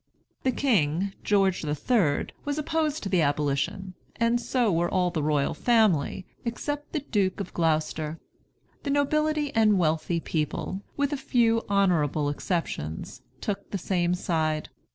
The king, George the Third, was opposed to the abolition, and so were all the royal family, except the Duke of Gloucester. The nobility and wealthy people, with a few honorable exceptions, took the same side.